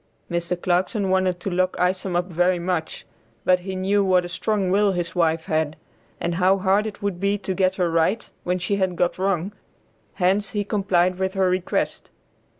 Mr. Clarkson wanted to lock Isom up very much, but he knew what a strong will his wife had, and how hard it would be to get her right when she had got wrong, hence he complied with her request.